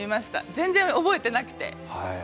全然覚えてなくて。